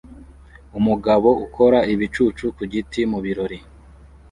Umugabo ukora ibicucu ku giti mu birori